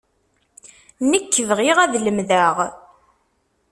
Nekk bɣiɣ ad lemdeɣ.